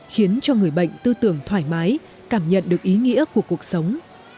khiến cho người bệnh tư tưởng thoải mái cảm nhận được ý nghĩa của cuộc sống